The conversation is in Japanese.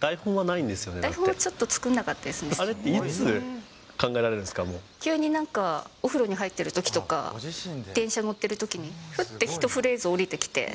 台本はちょっと作らなかったあれっていつ、考えられるん急になんか、お風呂に入っているときとか、電車乗ってるときに、ふって１フレーズ降りてきて。